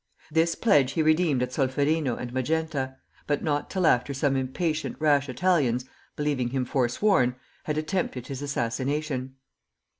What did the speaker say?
This pledge he redeemed at Solferino and Magenta, but not till after some impatient, rash Italians (believing him forsworn) had attempted his assassination.